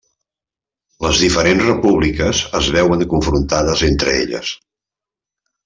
Les diferents repúbliques es veuen confrontades entre elles.